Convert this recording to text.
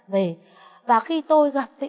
về và khi tôi gặp